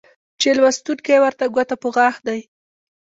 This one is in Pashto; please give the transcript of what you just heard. چې لوستونکى ورته ګوته په غاښ دى